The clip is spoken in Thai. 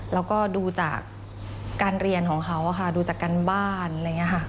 แล้วก็ดูจากการเรียนของเขาค่ะดูจากการบ้านอะไรอย่างนี้ค่ะ